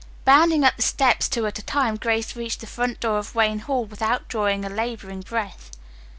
Bounding up the steps two at a time, Grace reached the front door of Wayne Hall without drawing a laboring breath.